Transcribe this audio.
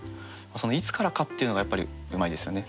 「いつからか」っていうのがやっぱりうまいですよね。